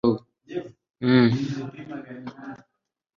ubuyobozi bukubiyemo gushaka parade no kuyigeza imbere. - john naisbitt